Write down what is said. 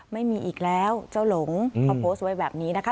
ไม่มีอีกแล้วเจ้าหลงเขาโพสต์ไว้แบบนี้นะคะ